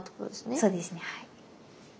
そうですねはい。